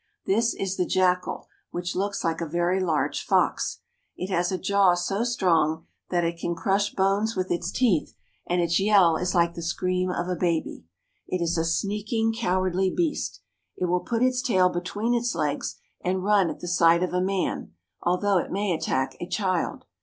This is the jackal, which looks like a very large fox. It has a jaw so strong that it can crush bones with its teeth, and its yell is Hke the scream of a baby. It is a sneaking, cowardly beast. It will put its tail between its legs and run at the sight of a man, although it may attack a child.